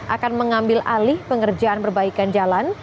akan mengambil alih pengerjaan perbaikan jalan